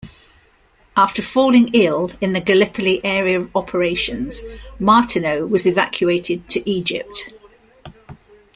After falling ill in the Gallipoli area of operations Martineau was evacuated to Egypt.